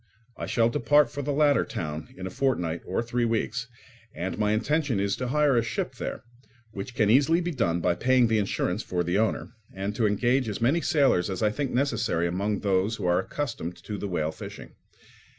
I shall depart for the latter town in a fortnight or three weeks; and my intention is to hire a ship there, which can easily be done by paying the insurance for the owner, and to engage as many sailors as I think necessary among those who are accustomed to the whale fishing.